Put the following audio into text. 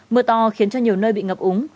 mưa to khiến cho nhiều nơi bị ngập úng